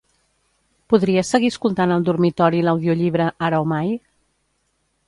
Podria seguir escoltant al dormitori l'audiollibre "Ara o mai"?